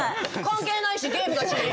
関係ないしゲームだし。